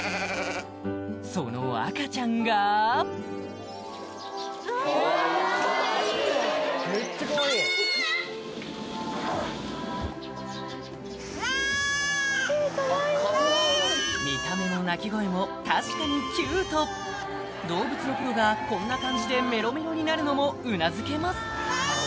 その赤ちゃんが見た目も鳴き声も確かにキュート動物のプロがこんな感じでメロメロになるのもうなずけます